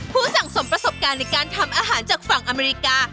ผู้สั่งสมประสบการณ์ในการทำอาหารจากฝั่งอเมริกา